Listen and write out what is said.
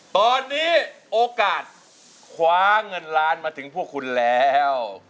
ตอนนี้โอกาสคว้าเงินล้านมาถึงพวกคุณแล้ว